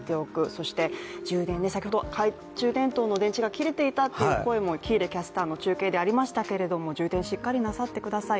そして充電、先ほど懐中電灯の電池が切れていたという声も喜入キャスターの中継でありましたけれども充電、しっかりなさってください。